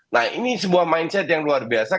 nah ini sebuah mindset yang luar biasa